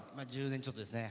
１０年ちょっとですね。